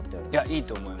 いいと思います。